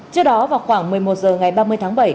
trước đó vào khoảng một mươi một h ngày ba mươi tháng bảy